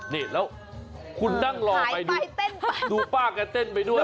นี่แล้วคุณนั่งรอไปดูป้าแกเต้นไปด้วย